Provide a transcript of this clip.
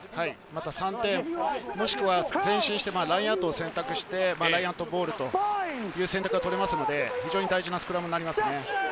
または３点、もしくは前進してラインアウトを選択してラインアウトゴールという選択は取れますので、非常に重要なスクラムになります。